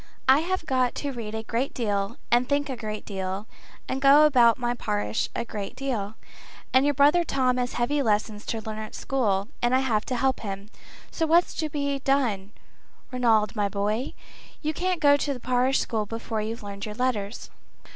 I have got to read a great deal and think a great deal, and go about my parish a good deal. And your brother Tom has heavy lessons to learn at school, and I have to help him. So what's to be done, Ranald, my boy? You can't go to the parish school before you've learned your letters."